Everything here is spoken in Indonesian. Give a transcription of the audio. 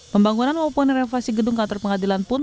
pembangunan maupun renovasi gedung kantor pengadilan pun